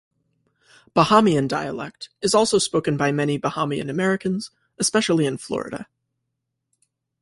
Bahamian dialect is also spoken by many Bahamian Americans, especially in Florida.